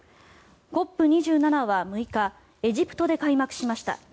ＣＯＰ２７は６日エジプトで開幕しました。